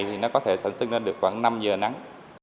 thì nó có thể sản xuất ra được khoảng năm giờ nắng